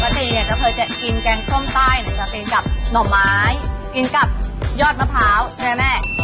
ทีเนี่ยเคยจะกินแกงส้มใต้หนูจะกินกับหน่อไม้กินกับยอดมะพร้าวใช่ไหมแม่